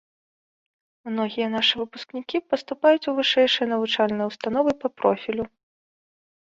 Многія нашы выпускнікі паступаюць у вышэйшыя навучальныя ўстановы па профілю.